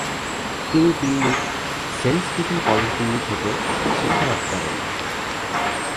তিনি দিল্লির Saint Stephen college Delhi থেকে শিক্ষা লাভ করেন।